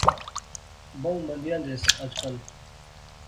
بہوں مندیاں دیسے اج کل